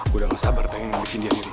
gue udah ngesabar pengen ngabisin dia diri